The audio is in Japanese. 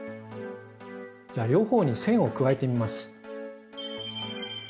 じゃあ両方に線を加えてみます。